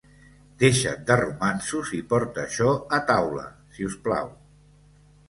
Deixa't de romanços i porta això a taula, si us plau.